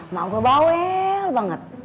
mak gue bawel banget